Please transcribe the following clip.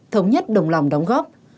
thống nhất đồng lòng đóng góp